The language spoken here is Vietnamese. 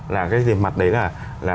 là cái tiền mặt đấy là